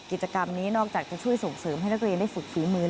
กิจกรรมนี้นอกจากจะช่วยส่งเสริมให้นักเรียนได้ฝึกฝีมือ